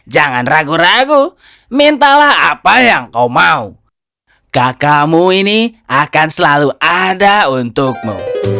jangan ragu ragu mintalah apa yang kau mau kakakmu ini akan selalu ada untukmu